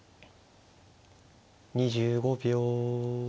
２５秒。